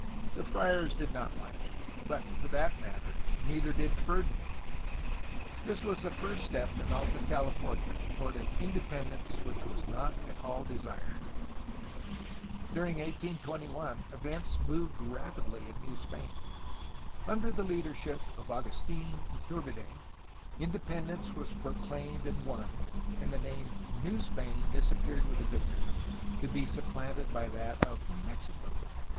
The friars did not like it, but, for that matter, neither did Ferdinand. This was the first step in Alta California toward an independence which was not at all desired. During 1821 events moved rapidly in New Spain. Under the leadership of Agustfn Iturbide, independence was pro claimed and won, and the name ^^New Spain" disappeared with the victory, to be supplanted by that of "Mexico."